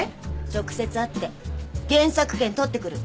直接会って原作権取ってくる。